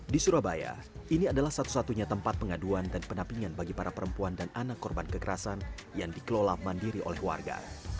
di surabaya ini adalah satu satunya tempat pengaduan dan penampingan bagi para perempuan dan anak korban kekerasan yang dikelola mandiri oleh warga